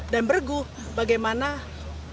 dan beregu bagaimana kekompakan